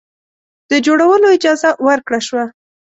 د جوړولو اجازه ورکړه شوه.